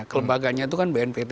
kelembaganya itu kan bnpt